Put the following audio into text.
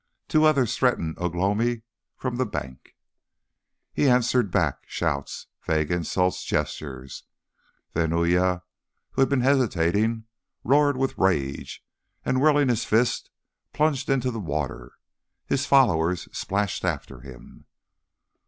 Two others threatened Ugh lomi from the bank. He answered back, shouts, vague insults, gestures. Then Uya, who had been hesitating, roared with rage, and whirling his fists plunged into the water. His followers splashed after him.